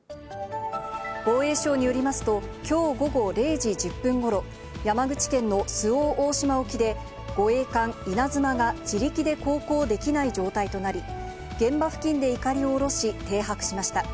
防衛省によりますと、きょう午後０時１０分ごろ、山口県の周防大島沖で、護衛艦いなづまが自力で航行できない状態となり、現場付近でいかりを下ろし、停泊しました。